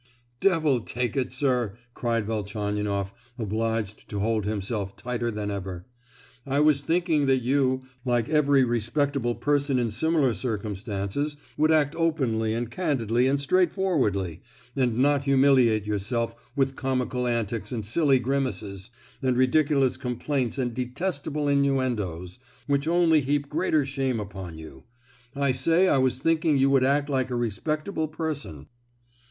"Devil take it, sir!" cried Velchaninoff, obliged to hold himself tighter than ever. "I was thinking that you, like every respectable person in similar circumstances, would act openly and candidly and straightforwardly, and not humiliate yourself with comical antics and silly grimaces, and ridiculous complaints and detestable innuendoes, which only heap greater shame upon you. I say I was thinking you would act like a respectable person."